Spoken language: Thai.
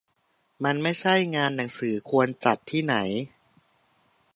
มันไม่ใช่งานหนังสือควรจัดที่ไหน